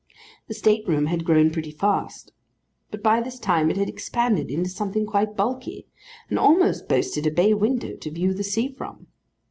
The state room had grown pretty fast; but by this time it had expanded into something quite bulky, and almost boasted a bay window to view the sea from.